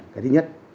cái thứ nhất